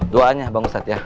doanya bang ustadz ya